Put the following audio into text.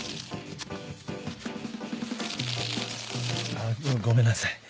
あっごめんなさい。